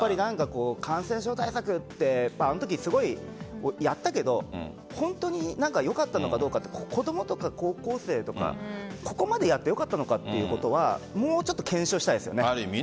感染症対策ってあのときやったけど本当によかったのかどうか子供とか高校生とかここまでやってよかったのかということはもうちょっと検証したいですよね。